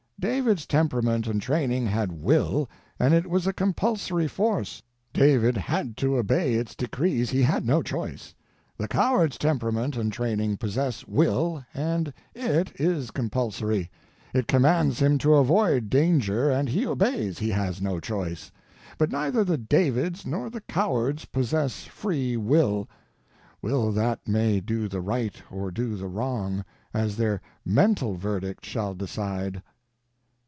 David's temperament and training had Will, and it was a compulsory force; David had to obey its decrees, he had no choice. The coward's temperament and training possess Will, and _it _is compulsory; it commands him to avoid danger, and he obeys, he has no choice. But neither the Davids nor the cowards possess Free Will—will that may do the right or do the wrong, as their _mental _verdict shall decide.